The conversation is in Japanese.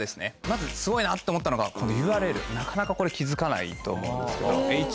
まずすごいなと思ったのがこのＵＲＬなかなかこれ気付かないと思うんですけど。